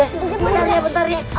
bentar ya bentar ya